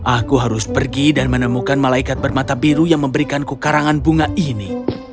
aku harus pergi dan menemukan malaikat bermata biru yang memberikanku karangan bunga ini